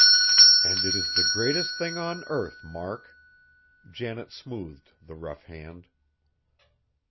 "And it is the greatest thing on earth, Mark!" Janet smoothed the rough hand.